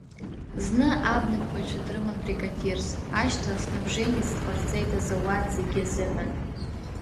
Зны абнаԥҟаҩцәа дрыман бригадирс, ашьҭахь снабженецс дҟарҵеит азауад зегьы азыҳәан.